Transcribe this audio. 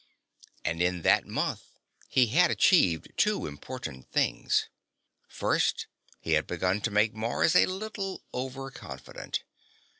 And, in that month, he had achieved two important things. First, he had begun to make Mars a little overconfident.